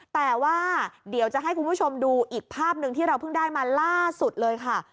แต่ว่าเดี๋ยวจะให้คุณผู้ชมดูอีกภาพหนึ่งที่เราเพิ่งได้มาล่าสุดเลยค่ะ